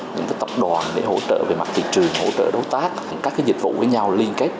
những tập đoàn để hỗ trợ về mặt thị trường hỗ trợ đối tác các dịch vụ với nhau liên kết